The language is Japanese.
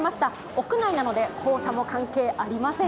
屋内なので黄砂も関係ありません。